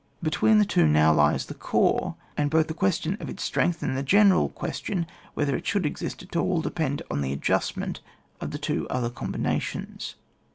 Between the two now lies the corps, and both the question of its strength, and the gener^ question whe ther it should exist at all, depend on the adjustment of the two other combinations.